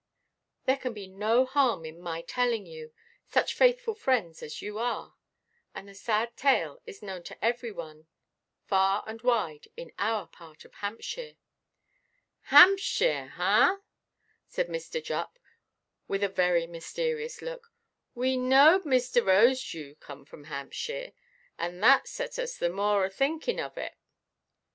"There can be no harm in my telling you, such faithful friends as you are. And the sad tale is known to every one, far and wide, in our part of Hampshire." "Hampshire, ah!" said Mr. Jupp, with a very mysterious look; "we knowed Mr. Rosedew come from Hampshire, and that set us the more a–thinkinʼ of it.